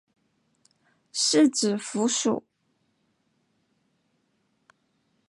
四指蝠属。